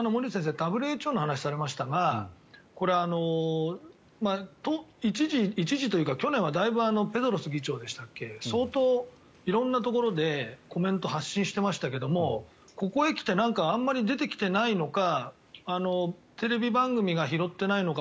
ＷＨＯの話をされましたがこれは一時というか去年はだいぶテドロス事務局長でしたっけ相当、色んなところでコメントを発信していましたがここへ来てあまり出てきていないのかテレビ番組が拾っていないのか